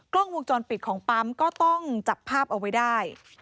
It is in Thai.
กล้องวงจรปิดของปั๊มก็ต้องจับภาพเอาไว้ได้